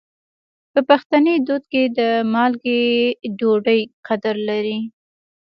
په پښتني دود کې د مالګې ډوډۍ قدر لري.